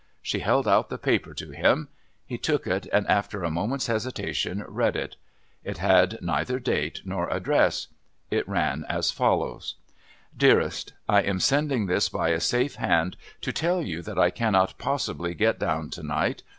She held out the paper to him, He took it and after a moment's hesitation read it. It had neither date nor address. It ran as follows: DEAREST I am sending this by a safe hand to tell you that I cannot possibly get down to night.